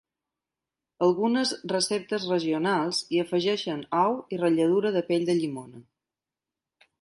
Algunes receptes regionals hi afegeixen ou i ratlladura de pell de llimona.